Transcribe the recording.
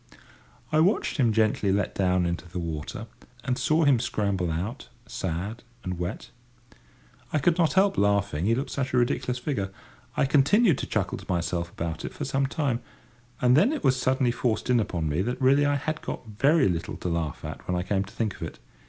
I watched him gently let down into the water, and saw him scramble out, sad and wet. I could not help laughing, he looked such a ridiculous figure. I continued to chuckle to myself about it for some time, and then it was suddenly forced in upon me that really I had got very little to laugh at when I came to think of it.